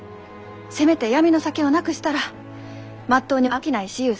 せめて闇の酒をなくしたらまっとうに商いしゆう